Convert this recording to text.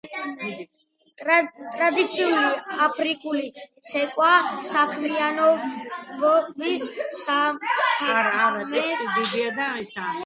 ტრადიციული აფრიკული ცეკვა სათემო საქმეა და ძირითადად ჯგუფურ საქმიანობას წარმოადგენს.